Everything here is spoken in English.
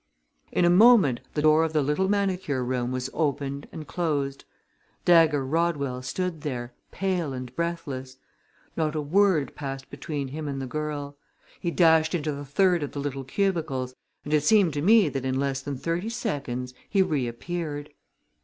In a moment the door of the little manicure room was opened and closed. Dagger Rodwell stood there, pale and breathless. Not a word passed between him and the girl. He dashed into the third of the little cubicles, and it seemed to me that in less than thirty seconds he reappeared.